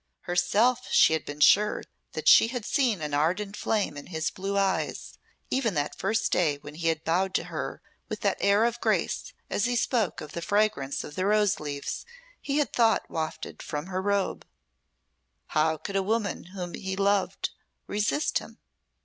Herself she had been sure that she had seen an ardent flame in his blue eyes, even that first day when he had bowed to her with that air of grace as he spoke of the fragrance of the rose leaves he had thought wafted from her robe. How could a woman whom he loved resist him?